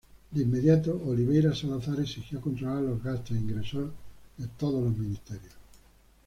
De inmediato Oliveira Salazar exigió controlar los gastos e ingresos de todos los ministerios.